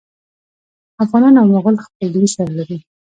افغانان او مغول خپلوي سره لري.